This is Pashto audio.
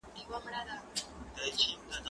پاکوالي وساته